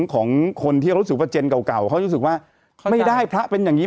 ของคนที่รู้สึกว่าเจนเก่าเขารู้สึกว่าไม่ได้พระเป็นอย่างนี้